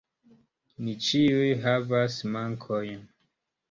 Ni ĉiuj havas mankojn.